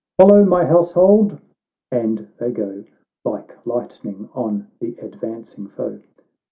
— Follow, my household !"■— And they go Like lightning on the advancing foe.